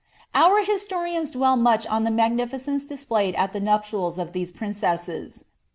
IF liislorians dwell much on the magnificence displayed at the ruj^ ■ of these princesses.